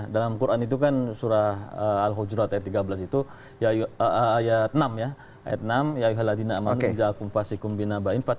dalam quran itu kan surah al hujurat ayat enam